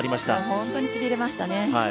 本当にしびれましたね。